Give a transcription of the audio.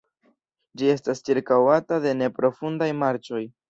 Ĝi estas ĉirkaŭata de neprofundaj marĉoj.